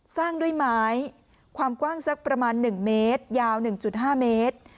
สร้างด้วยไม้ความกว้างสักประมาณหนึ่งเมตรยาวหนึ่งจุดห้าเมตร